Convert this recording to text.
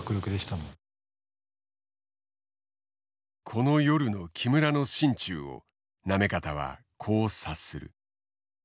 この夜の木村の心中を行方はこう察する。